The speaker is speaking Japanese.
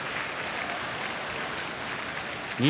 錦